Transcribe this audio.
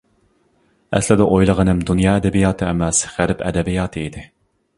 ئەسلىدە ئويلىغىنىم دۇنيا ئەدەبىياتى ئەمەس، غەرب ئەدەبىياتى ئىدى.